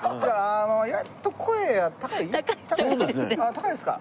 高いですか。